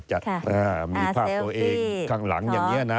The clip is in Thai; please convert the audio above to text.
จะมีภาพตัวเองข้างหลังอย่างนี้นะ